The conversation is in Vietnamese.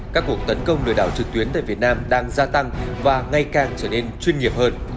các cuộc tấn công lừa đảo trực tuyến tại việt nam đang gia tăng và ngay càng trở nên chuyên nghiệp hơn